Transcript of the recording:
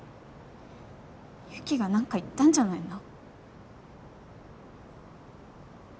雪がなんか言ったんじゃないの？